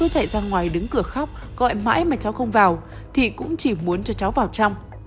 chạy ra ngoài đứng cửa khóc gọi mãi mà cháu không vào thì cũng chỉ muốn cho cháu vào trong